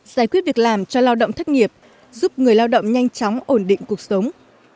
giải quyết việc làm cho lao động thất nghiệp giúp người lao động nhanh chóng ổn định cuộc sống